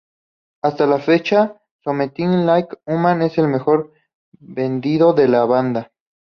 Hasta la fecha, "Something Like Human" es el mejor vendido de la banda.